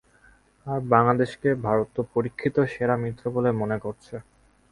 আর বাংলাদেশকে ভারত তো পরীক্ষিত সেরা মিত্র বলে মনে করছে।